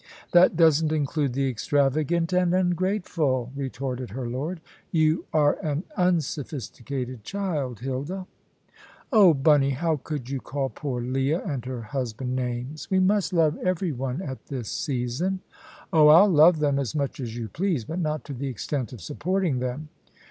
"That doesn't include the extravagant and ungrateful," retorted her lord. "You are an unsophisticated child, Hilda." "Oh, Bunny, how could you call poor Leah and her husband names? We must love every one at this season." "Oh, I'll love them as much as you please; but not to the extent of supporting them."